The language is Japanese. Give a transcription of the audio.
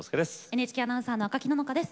ＮＨＫアナウンサーの赤木野々花です。